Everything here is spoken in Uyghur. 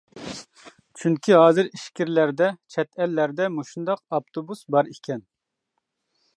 چۈنكى ھازىر ئىچكىرىلەردە چەت ئەللەردە مۇشۇنداق ئاپتوبۇس بار ئىكەن.